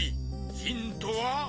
ヒントは？